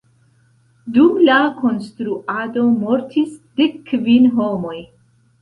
Dum la konstruado mortis dek kvin homoj.